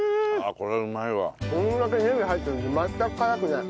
これだけねぎ入ってるのに全く辛くない。